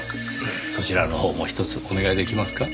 そちらのほうもひとつお願い出来ますか？